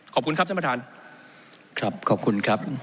ขอบคุณครับท่านประธาน